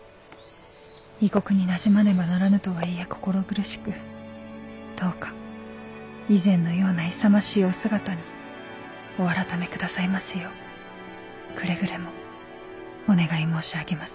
異国になじまねばならぬとはいえ心苦しくどうか以前のような勇ましいお姿にお改めくださいますようくれぐれもお願い申し上げます。